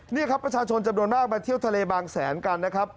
นี่ครับประชาชนจำนวนมากมาเที่ยวทะเลบางแสนกันนะครับ